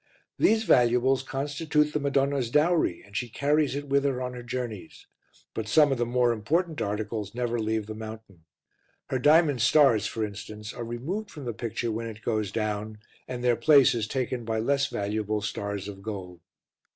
These valuables constitute the Madonna's dowry and she carries it with her on her journeys; but some of the more important articles never leave the mountain; her diamond stars, for instance, are removed from the picture when it goes down, and their place is taken by less valuable stars of gold.